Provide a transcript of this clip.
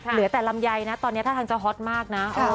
เหลือแต่ลำไยนะตอนนี้ท่าทางจะฮอตมากนะ